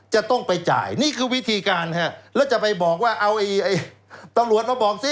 จะต้องไปจ่ายนี่คือวิธีการฮะแล้วจะไปบอกว่าเอาตำรวจมาบอกสิ